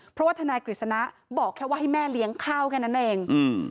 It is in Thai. เพราะว่าทนายกฤษณะบอกแค่ว่าให้แม่เลี้ยงข้าวแค่นั้นเอง